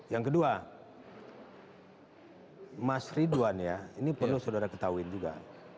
yang kedua mas ridwan ya ini perlu saudara ketahuin juga